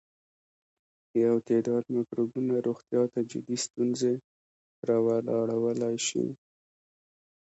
یو تعداد مکروبونه روغتیا ته جدي ستونزې راولاړولای شي.